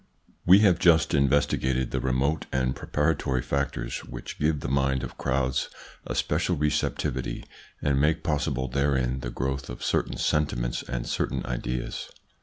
We have just investigated the remote and preparatory factors which give the mind of crowds a special receptivity, and make possible therein the growth of certain sentiments and certain ideas.